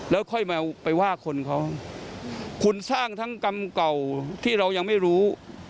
แล้วค่อยมาไปว่าคนเขาคุณสร้างทั้งกรรมเก่าที่เรายังไม่รู้